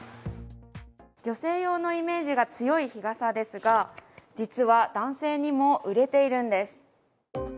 女性用のイメージが強い日傘ですが実は男性にも売れているんです。